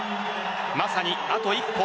まさにあと一歩